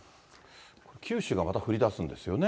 九州がまた降りだすんですよね。